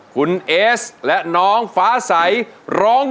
คุณเอสและน้องฟ้าใสร้อง